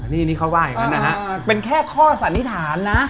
นี่เขาว่าอย่างนั้นนะฮะ